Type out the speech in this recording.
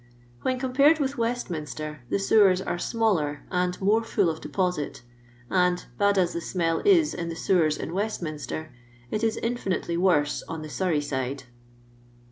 When compared with Westminster, the sewers are mailer and more fiill of deposit ; and, bed as the smell is in the sewers in Westminster, it is infi nitely worse on the Surrey side."